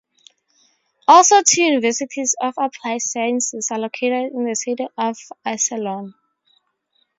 Also two universities of applied sciences are located in the city of Iserlohn.